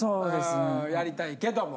やりたいけども。